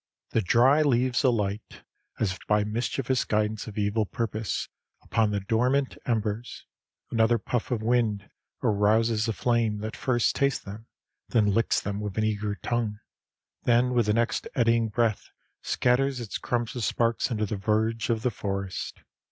The dry leaves alight as if by mischievous guidance of evil purpose upon the dormant embers, another puff of wind arouses a flame that first tastes them, then licks them with an eager tongue, then with the next eddying breath scatters its crumbs of sparks into the verge of the forest.